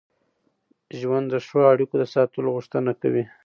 ژوند د ښو اړیکو د ساتلو غوښتنه کوي.